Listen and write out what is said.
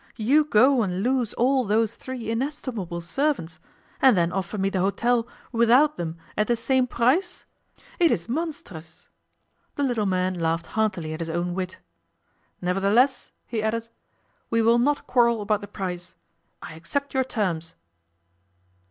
You go and lose all those three inestimable servants, and then offer me the hotel without them at the same price! It is monstrous.' The little man laughed heartily at his own wit. 'Nevertheless,' he added, 'we will not quarrel about the price. I accept your terms.